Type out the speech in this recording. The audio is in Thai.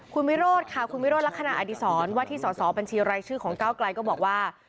คุณวิโรธค่ะคุณวิโรธลักษณะอดีศรว่าที่สอสอบัญชีรายชื่อของก้าวไกลก็บอกว่า